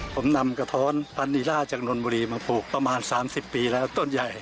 ผมนำกระท้อนปานีล่าจากนนบุรีมาปลูกประมาณ๓๐ปีแล้วต้นใหญ่